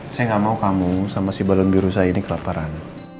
saya gak mau kamu sama si balon biru saya ini kelaparan